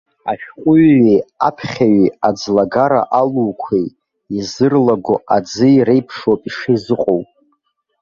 Ашәҟәыҩҩи аԥхьаҩи аӡлагара алуқәеи, изырлаго аӡи реиԥшоуп ишеизыҟоу.